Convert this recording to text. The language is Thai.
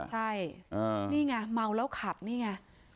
ใช่นี่ไงเมาแล้วขับนี่ไง